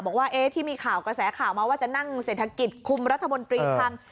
บอกว่าที่มีข่าวกระแสข่าวมาว่าจะนั่งเศรษฐกิจคุมรัฐมนตรีพัง